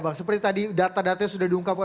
bang seperti tadi data datanya sudah diungkapkan